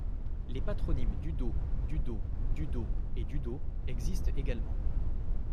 Les patronymes Dudaux, Dudaud, Dudeau et, Dudeaud existent également.